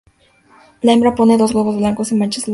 La hembra pone dos huevos blancos con manchas pardas y lilas.